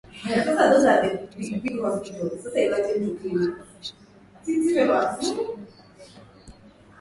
Kuanzia Aprili sita, bei ya petroli na dizeli iliongezeka kwa shilingi mia tatu ishirini na moja za Tanzania.